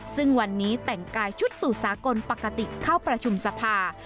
ซึ่งวันนี้แต่งกายชุดสู่สากลปกติเข้าประชุมสภา